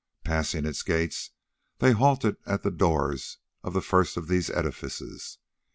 Passing its gates they halted at the doors of the first of these edifices.